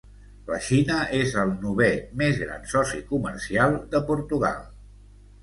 La Xina és el novè més gran soci comercial de Portugal.